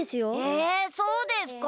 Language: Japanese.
えそうですか？